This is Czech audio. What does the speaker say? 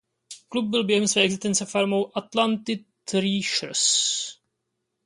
Klub byl během své existence farmou Atlanty Thrashers.